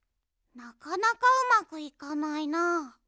なかなかうまくいかないな。